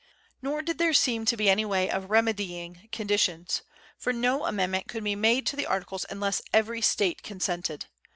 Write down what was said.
Nor did there seem to be any way of remedying conditions, for no amendment could be made to the Articles unless every State consented.